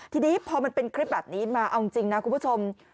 ทีนี้พอมันเป็นคลิปแบบนี้มาเอาจริงนะคุณผู้ชม